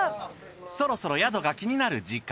そろそろ宿が気になる時間。